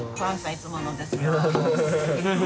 いつものですよ。